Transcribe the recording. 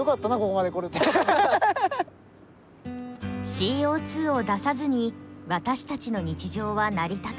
ＣＯを出さずに私たちの日常は成り立たない。